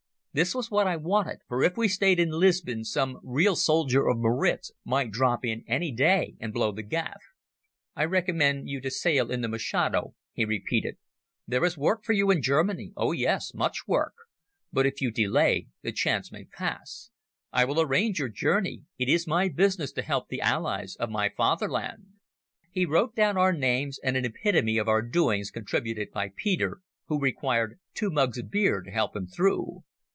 This was what I wanted, for if we stayed in Lisbon some real soldier of Maritz might drop in any day and blow the gaff. "I recommend you to sail in the Machado," he repeated. "There is work for you in Germany—oh yes, much work; but if you delay the chance may pass. I will arrange your journey. It is my business to help the allies of my fatherland." He wrote down our names and an epitome of our doings contributed by Peter, who required two mugs of beer to help him through.